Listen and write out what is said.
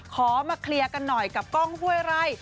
ขอมาเคลียร์กันหน่อยกับกล้องห้วยไร่